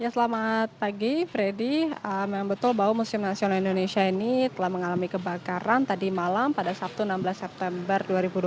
selamat pagi freddy memang betul bahwa museum nasional indonesia ini telah mengalami kebakaran tadi malam pada sabtu enam belas september dua ribu dua puluh